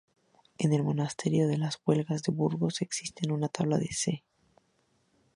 En el Monasterio de las Huelgas de Burgos, existe una tabla de "c".